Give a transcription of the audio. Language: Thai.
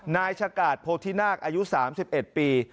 นายชะกาดโพธินาคอายุ๓๑ปี